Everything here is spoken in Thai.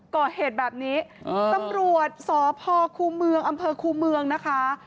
ก่อเหตุแบบนี้ตำรวจสพคูเมืองอำเภอคูเมืองนะคะ